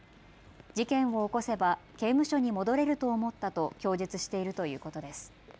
事件を起こせば刑務所に戻れると思ったと供述しているということです。